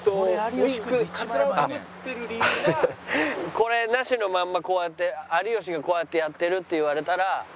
これなしのまんまこうやって有吉がこうやってやってるって言われたらなんか。